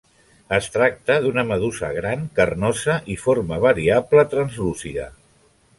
Es tracta d'una medusa gran, carnosa i forma variable translúcida.